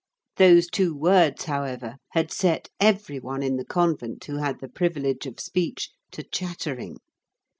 Those two words, however, had set every one in the convent who had the privilege of speech to chattering.